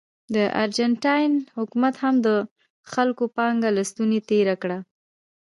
د ارجنټاین حکومت هم د خلکو پانګه له ستونې تېره کړه.